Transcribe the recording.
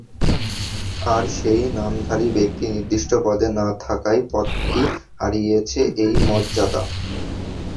আর সেই নামধারী ব্যক্তি নির্দিষ্ট পদে না থাকায় পদটি হারিয়েছে এ মর্যাদা।